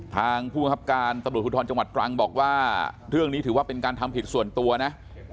ผู้บังคับการตำรวจภูทรจังหวัดตรังบอกว่าเรื่องนี้ถือว่าเป็นการทำผิดส่วนตัวนะ